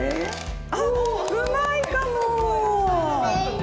あっうまいかも！